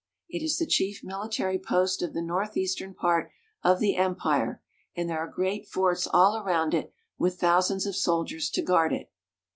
It is the chief military post of the northeastern part of the Empire, and there are great forts all about it, with thou sands of soldiers to guard it.